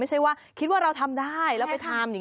ไม่ใช่ว่าคิดว่าเราทำได้แล้วไปทำอย่างนี้